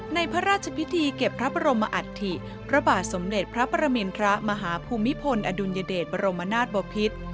พระราชพิธีเก็บพระบรมอัฐิพระบาทสมเด็จพระประมินทรมาฮภูมิพลอดุลยเดชบรมนาศบพิษ